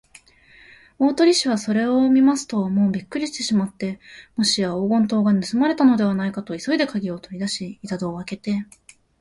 大鳥氏はそれを見ますと、もうびっくりしてしまって、もしや黄金塔がぬすまれたのではないかと、急いでかぎをとりだし、板戸をあけて